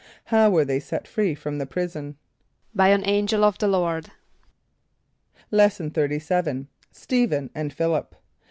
= How were they set free from the prison? =By an angel of the Lord.= Lesson XXXVII. Stephen and Philip.